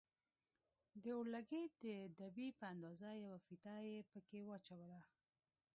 د اورلګيت د دبي په اندازه يوه فيته يې پکښې واچوله.